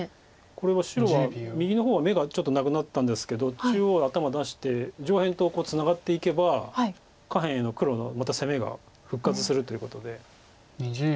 これは白は右の方は眼がちょっとなくなったんですけど中央頭出して上辺とツナがっていけば下辺への黒のまた攻めが復活するということで。